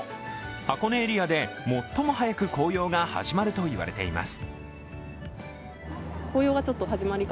箱根エリアで最も早く紅葉が始まると言われています。